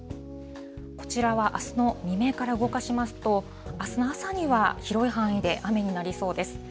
こちらはあすの未明から動かしますと、あすの朝には広い範囲で雨になりそうです。